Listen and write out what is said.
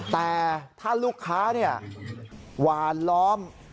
แต่ถ้าลูกค้าหวานล้อม